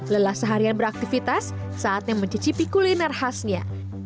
lelah seharian beraktivitas saatnya mencicipi kuliner khasnya